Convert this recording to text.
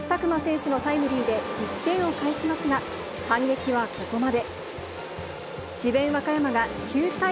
エースの山崎琢磨選手のタイムリーで１点を返しますが、反撃はここまで。